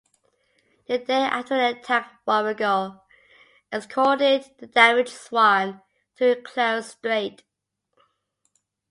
The day after the attack "Warrego" escorted the damaged "Swan" through Clarence Strait.